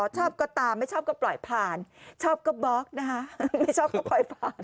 ชอบก็ตามไม่ชอบก็ปล่อยผ่านชอบก็บล็อกนะคะไม่ชอบก็ปล่อยผ่าน